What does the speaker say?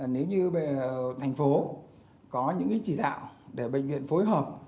nếu như thành phố có những chỉ đạo để bệnh viện phối hợp